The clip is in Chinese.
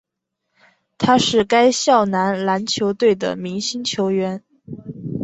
他是该校男篮校队的明星球员。